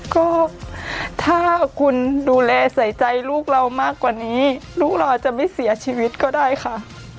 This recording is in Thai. ก็ถ้าคุณดูแลใส่ใจลูกเรามากกว่านี้ลูกเราจะไม่เสียชีวิตก็ได้ค่ะ